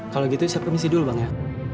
kalau gitu siap permisi dulu bang ya